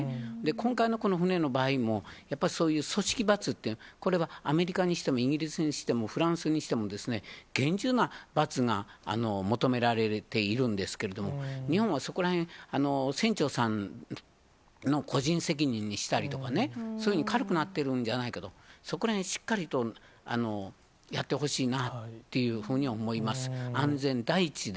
今回のこの船の場合にも、やっぱりそういう組織罰っていう、これはアメリカにしても、イギリスにしても、フランスにしてもですね、厳重な罰が求められているんですけれども、日本はそこらへん、船長さんの個人責任にしたりとかね、そういうふうに軽くなってるんじゃないかと、そこらへん、しっかりとやってほしいなっていうふうには思います。